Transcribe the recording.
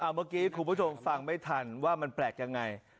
เมื่อกี้คุณผู้ชมฟังไม่ทันว่ามันแปลกยังไง